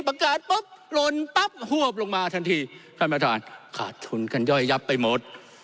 ประกาศปุ๊บหล่นปั๊บหวบลงมาทันทีท่านประธานขาดทุนกันย่อยยับไปหมด